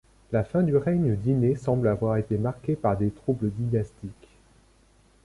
La fin du règne d'Ine semble avoir été marquée par des troubles dynastiques.